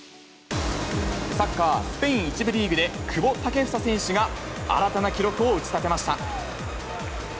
サッカースペイン１部リーグで、久保建英選手が新たな記録を打ち立てました。